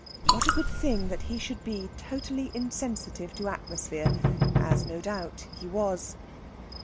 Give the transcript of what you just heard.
What a good thing that he should be totally insensitive to atmosphere, as no doubt he was.